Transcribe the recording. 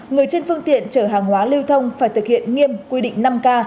người trên phương tiện chở hàng hóa lưu thông phải thực hiện nghiêm quy định năm k